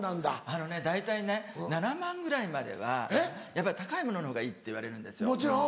あのね大体ね７万ぐらいまではやっぱ高いもののほうがいいって言われるんですよ。